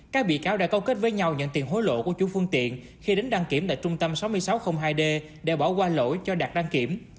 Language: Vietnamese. các bị cáo đã câu kết với nhau nhận tiền hối lộ của chủ phương tiện khi đến đăng kiểm tại trung tâm sáu nghìn sáu trăm linh hai d để bỏ qua lỗi cho đạt đăng kiểm